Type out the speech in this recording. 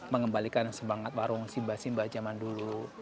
mengembalikan semangat warung simba simba zaman dulu